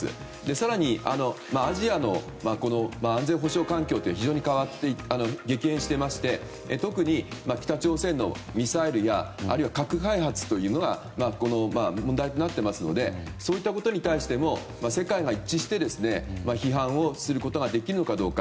更に、アジアの安全保障環境って非常に激変していまして特に、北朝鮮のミサイルやあるいは核開発というのが問題となっていますのでそういったことに対しても世界が一致して批判をすることができるのかどうか。